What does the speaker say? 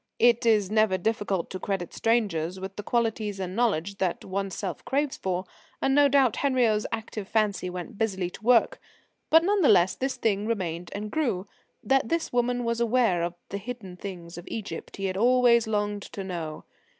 It is never difficult to credit strangers with the qualities and knowledge that oneself craves for, and no doubt Henriot's active fancy went busily to work. But, none the less, this thing remained and grew: that this woman was aware of the hidden things of Egypt he had always longed to know.